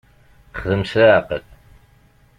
Xdem s leɛqel.